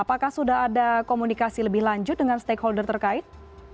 apakah sudah ada komunikasi lebih lanjut dengan stakeholder terkait